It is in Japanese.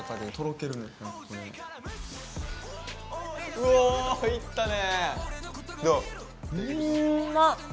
うわ、いったね。